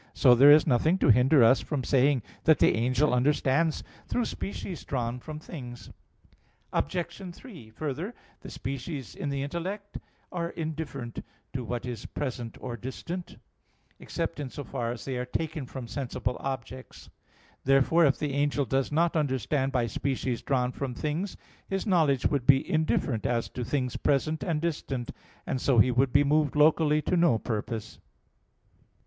So there is nothing to hinder us from saying that the angel understands through species drawn from things. Obj. 3: Further, the species in the intellect are indifferent to what is present or distant, except in so far as they are taken from sensible objects. Therefore, if the angel does not understand by species drawn from things, his knowledge would be indifferent as to things present and distant; and so he would be moved locally to no purpose.